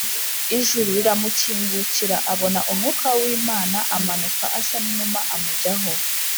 ijuru riramukingukira abona Umwuka w’Imana amanuka asa n’inuma amujyaho